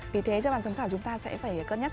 vì thế cho bản giám khảo chúng ta sẽ phải cân nhắc